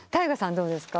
どうですか？